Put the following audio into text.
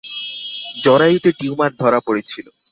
জরায়ুতে tumour ধরা পরেছিল।